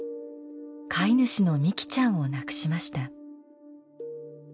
飼い主のみきちゃんを亡くしました。